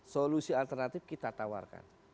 solusi alternatif kita tawarkan